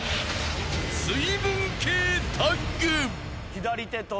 左手と。